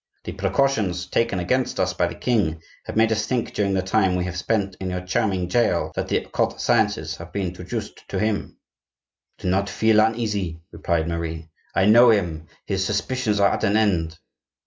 "The precautions taken against us by the king have made us think during the time we have spent in your charming jail that the occult sciences have been traduced to him." "Do not feel uneasy," replied Marie. "I know him; his suspicions are at an end."